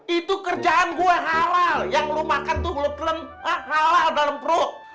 itu kerjaan gue halal yang lo makan tuh halal dalam perut